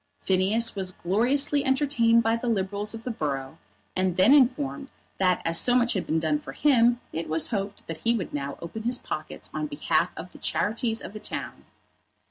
Phineas was gloriously entertained by the Liberals of the borough, and then informed that as so much had been done for him it was hoped that he would now open his pockets on behalf of the charities of the town.